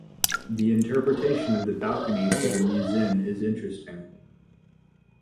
The interpretation of the balcony for the muezzin is interesting.